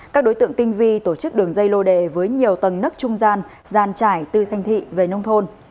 các đối tượng tinh vi tổ chức đường dây lô đề với nhiều tầng nức trung gian gian trải từ thanh thị về nông thôn